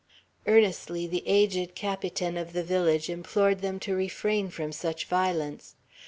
Earnestly the aged Capitan of the village implored them to refrain from such violence.